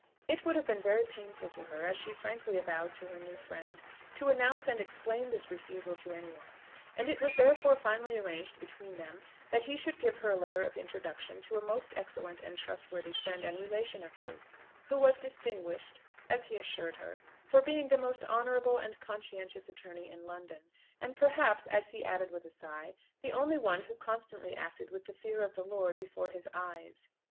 It would have been very painful to her, as she frankly avowed to her new friend, to announce and explain this refusal to any one; and it was therefore finally arranged between them, that he should give her a letter of introduction to a most excellent and trustworthy friend and relation of his, who was distinguished, as he assured her, for being the most honourable and conscientious attorney in London, and perhaps, as he added with a sigh, the only one who constantly acted with the fear of the Lord before his eyes.